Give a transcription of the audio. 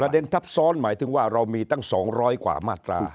เด็นทับซ้อนหมายถึงว่าเรามีตั้ง๒๐๐กว่ามาตรา